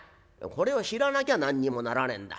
「これは知らなきゃ何にもならねえんだ。